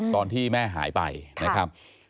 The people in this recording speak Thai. ตอนที่แม่หายไปนะครับ